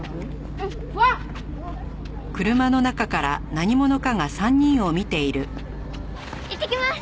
うん。いってきます！